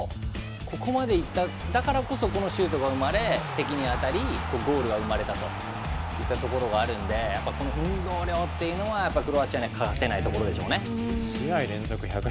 ここまでいっただからこそこのシュートが生まれ敵に当たり、ゴールが生まれたといったところがあるので運動量というのはクロアチアに欠かせないところでしょうね。